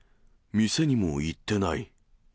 店にも行ってない。